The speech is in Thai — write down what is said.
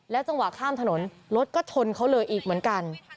จังหวะข้ามถนนรถก็ชนเขาเลยอีกเหมือนกัน